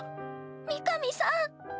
三上さん！